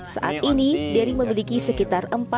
saat ini dery memiliki sekitar